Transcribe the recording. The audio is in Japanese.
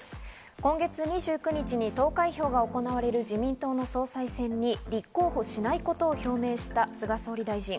今月２９日に投開票が行われる自民党の総裁選に立候補しないことを表明した菅総理大臣。